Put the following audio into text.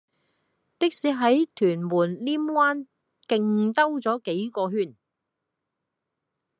的士喺屯門稔灣徑兜左幾個圈